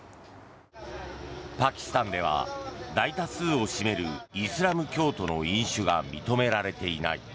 パキスタンでは大多数を占めるイスラム教徒の飲酒が認められていない。